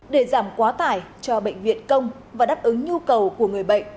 để giảm quá tải cho bệnh viện công và đáp ứng nhu cầu của người bệnh